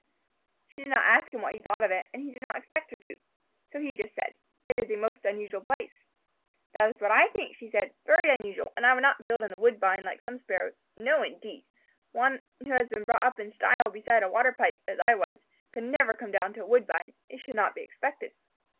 She did not ask him what he thought of it, and he did not expect her to. So he just said, "It is a most unusual place." "That is what I think," she replied. "Very unusual, and I would not build in the woodbine like some Sparrows. No, indeed! One who has been brought up in style beside a water pipe, as I was, could never come down to woodbine. It should not be expected."